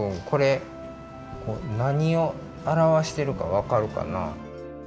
これなにをあらわしてるかわかるかな？